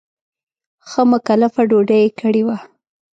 ښه مکلفه ډوډۍ یې کړې وه.